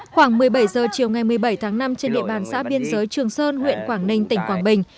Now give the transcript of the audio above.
khoảng một mươi bảy h chiều ngày một mươi bảy tháng năm trên địa bàn xã biên giới trường sơn huyện quảng ninh tỉnh quảng bình